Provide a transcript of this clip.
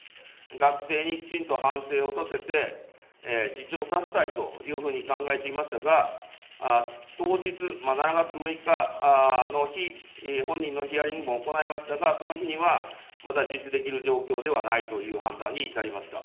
学生にきちんと反省をさせて、自首をさせたいというふうに考えていましたが、当日、７月６日の日、本人のヒアリングも行いましたが、その日には、まだ自首できる状況ではないという判断に至りました。